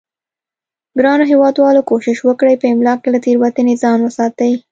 ګرانو هیوادوالو کوشش وکړئ په املا کې له تیروتنې ځان وساتئ